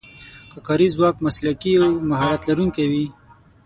که کاري ځواک مسلکي او مهارت لرونکی وي.